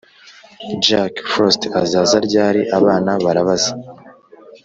jack frost azaza ryari? abana barabaza.